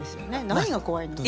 何が怖いのさ。